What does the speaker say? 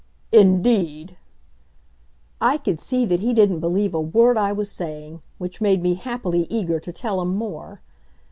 "Indeed!" I could see that he didn't believe a word I was saying, which made me happily eager to tell him more.